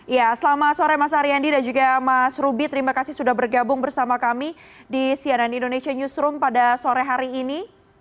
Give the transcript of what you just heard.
ya selamat sore mas ariyandi dan juga mas ruby terima kasih sudah bergabung bersama kami di cnn indonesia newsroom pada sore hari ini